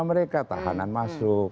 mereka tahanan masuk